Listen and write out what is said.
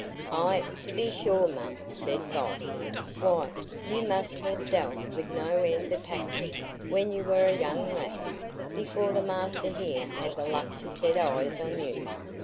"Ay, to be sure, mum," said Bob. "Why, you must ha' dealt wi' no end o' packmen when you war a young lass—before the master here had the luck to set eyes on you.